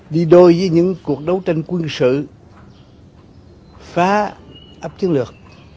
đi đôi với những cuộc đấu tranh quân sự phá ấp chiến lược